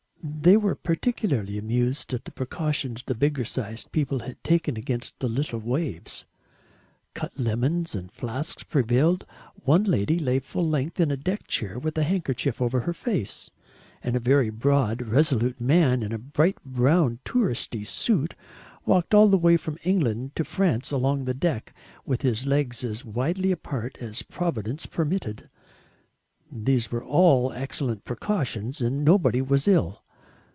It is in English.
They were particularly amused at the precautions the bigger sized people had taken against the little waves cut lemons and flasks prevailed, one lady lay full length in a deck chair with a handkerchief over her face, and a very broad resolute man in a bright brown "touristy" suit walked all the way from England to France along the deck, with his legs as widely apart as Providence permitted. These were all excellent precautions, and, nobody was ill.